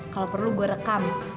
kalau perlu gua rekam